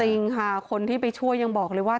จริงค่ะคนที่ไปช่วยยังบอกเลยว่า